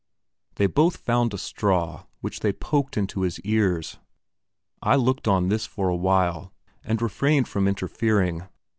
They both found a straw, which they poked into his ears. I looked on at this for a while, and refrained from interfering.